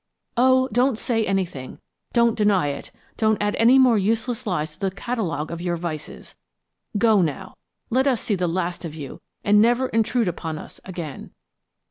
Oh, don't say anything, don't deny it, don't add more useless lies to the catalogue of your vices. Go now. Let us see the last of you, and never intrude upon us again."